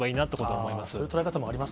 そういう捉え方もあります、